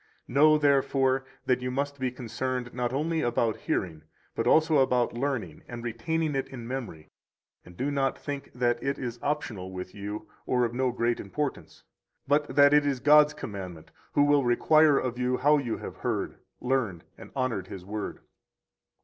98 Know, therefore, that you must be concerned not only about hearing, but also about learning and retaining it in memory, and do not think that it is optional with you or of no great importance, but that it is God's commandment, who will require of you how you have heard, learned, and honored His Word.